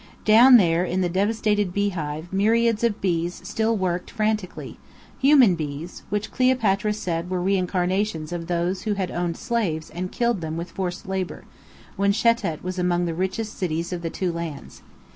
Down there in the devastated beehive myriads of bees still worked frantically, human bees, which Cleopatra said were reincarnations of those who had owned slaves and killed them with forced labour, when Shetet was among the richest cities of the "Two Lands."